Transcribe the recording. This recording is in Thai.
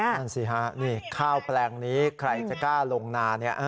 นั่นสิฮะนี่ข้าวแปลงนี้ใครจะกล้าลงนาเนี่ย